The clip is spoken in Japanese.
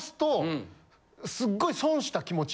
すっごい。